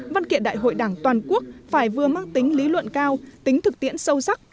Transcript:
văn kiện đại hội đảng toàn quốc phải vừa mang tính lý luận cao tính thực tiễn sâu sắc